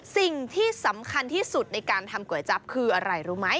สิ่งที่สำคัญที่สุดในการทำก๋วยจั๊บคืออะไรรู้ไหม